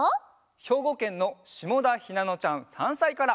ひょうごけんのしもだひなのちゃん３さいから。